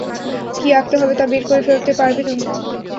কী আঁকতে হবে, তা বের করে ফেলতে পারবে তুমি।